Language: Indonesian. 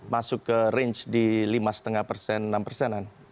masuk ke range di lima lima persen enam persenan